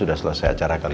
ada apa kok ketemu sama nino